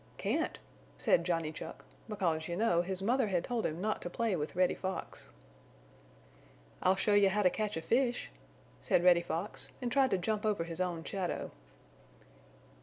"Can't," said Johnny Chuck, because you know, his mother had told him not to play with Reddy Fox. "I'll show you how to catch a fish," said Reddy Fox, and tried to jump over his own shadow.